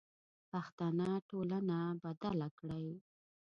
پښتنه ټولنه بدله کړئ.